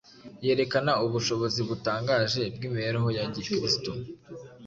Yerekana ubushobozi butangaje bw’imibereho ya Gikristo